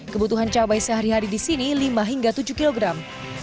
kebutuhan cabai sehari hari di sini lima hingga tujuh kilogram